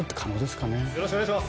よろしくお願いします。